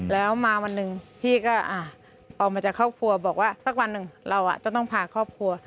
แล้วมาวันหนึ่งพี่ก็ออกมาจากครอบครัวบอกว่าสักวันหนึ่งเราจะต้องพาครอบครัว